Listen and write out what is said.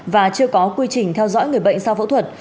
và chưa có quy trình theo dõi người bệnh sau phẫu thuật